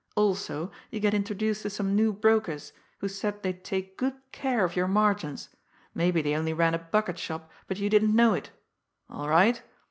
Also, you get introduced to some new brokers, who said they'd take good care of your margins maybe they only ran a bucket shop, but you didn't know it! All right!